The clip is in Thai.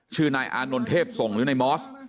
ชื่อนายอานนท์เทพส่งหรือนายมอส